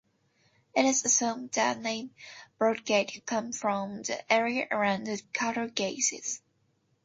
It is assumed the name "Broadgate" comes from the area around the castle gates.